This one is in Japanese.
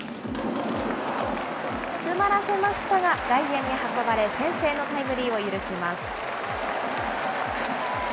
詰まらせましたが、外野に運ばれ、先制のタイムリーを許します。